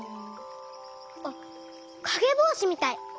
あっかげぼうしみたい！